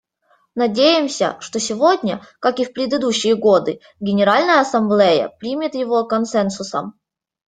Надеемся, что сегодня, как и в предыдущие годы, Генеральная Ассамблея примет его консенсусом.